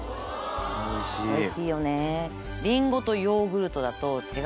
おいしいよね。